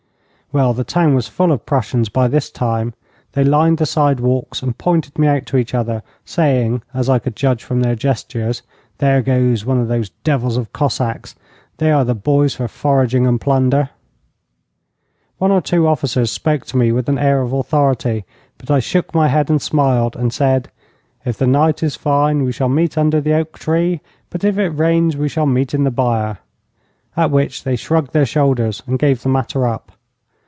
Well, the town was full of Prussians by this time. They lined the side walks and pointed me out to each other, saying, as I could judge from their gestures, 'There goes one of those devils of Cossacks. They are the boys for foraging and plunder.' One or two officers spoke to me with an air of authority, but I shook my head and smiled, and said, 'If the night is fine we shall meet under the oak tree, but if it rains we shall meet in the byre,' at which they shrugged their shoulders and gave the matter up.